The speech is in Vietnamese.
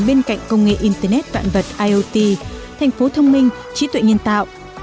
bên cạnh công nghệ internet vạn vật iot thành phố thông minh trí tuệ nhân tạo